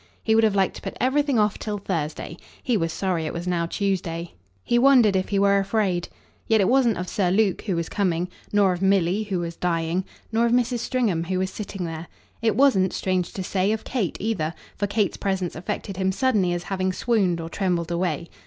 He would have liked to put everything off till Thursday; he was sorry it was now Tuesday; he wondered if he were afraid. Yet it wasn't of Sir Luke, who was coming; nor of Milly, who was dying; nor of Mrs. Stringham, who was sitting there. It wasn't, strange to say, of Kate either, for Kate's presence affected him suddenly as having swooned or trembled away.